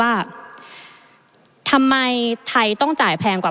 ประเทศอื่นซื้อในราคาประเทศอื่น